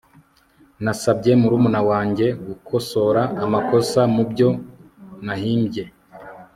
nasabye murumuna wanjye gukosora amakosa mubyo nahimbye